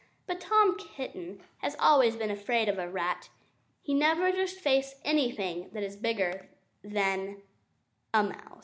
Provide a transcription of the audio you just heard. But Tom Kitten has always been afraid of a rat; he never durst face anything that is bigger than A Mouse.